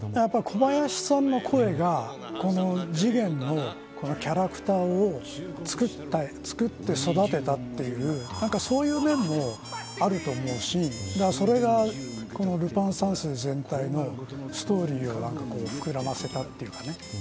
小林さんの声が、この次元のキャラクターを作って育てたというそういう面もあると思うしそれが、このルパン三世全体のストーリーを膨らませたというかね。